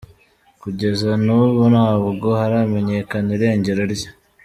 Kugeza n’ubu, ntabwo haramenyekana irengero rye.